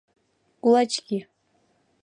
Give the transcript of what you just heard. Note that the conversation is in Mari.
Кулачки.